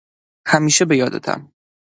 همیشه به یادتم!